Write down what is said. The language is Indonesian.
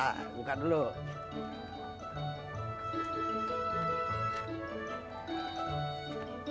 bentar gue buka pintu dulu ya